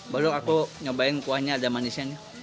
baru aku nyobain kuahnya ada manisnya nih